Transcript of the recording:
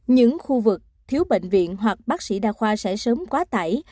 những khu vực thiếu bệnh viện hoặc bác sĩ đa khoa sẽ sớm quá tải